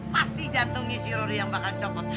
pasti jantungin si rodi yang bakal copot